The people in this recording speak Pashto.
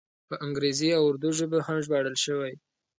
په انګریزي او اردو ژبو هم ژباړل شوی.